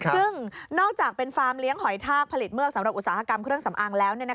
ซึ่งนอกจากเป็นฟาร์มเลี้ยงหอยทากผลิตเือกสำหรับอุตสาหกรรมเครื่องสำอางแล้ว